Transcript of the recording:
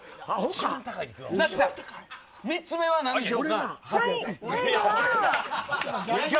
３つ目は何でしょうか。